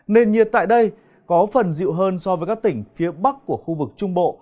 nền nhiệt tại đây có phần dịu hơn so với các tỉnh phía bắc của khu vực trung bộ